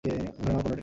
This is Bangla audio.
ধরে নাও, কোনো ডেটে?